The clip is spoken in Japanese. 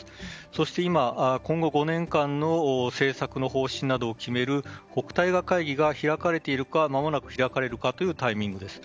そして今、今後５年間の政策の方針などを決める会議が開かれているかまもなく開かれるかいうタイミングです。